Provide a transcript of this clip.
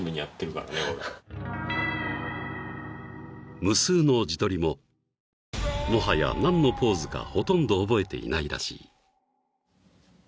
俺無数の自撮りももはや何のポーズかほとんど覚えていないらしい